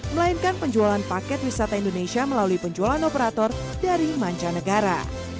melainkan penjualan paket wisata indonesia melalui penjualan operator dari mancanegara